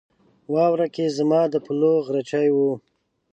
په واوره کې زما د پلوو غرچی و